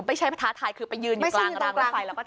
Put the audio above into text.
ไม่ใช่ท้าทายคือไปยืนอยู่กลางร้างรถไฟแล้วก็ถ่าย